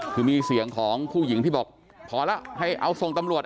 คือมีเสียงของผู้หญิงที่บอกพอแล้วให้เอาส่งตำรวจ